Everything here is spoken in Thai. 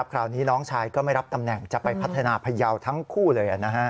คราวนี้น้องชายก็ไม่รับตำแหน่งจะไปพัฒนาพยาวทั้งคู่เลย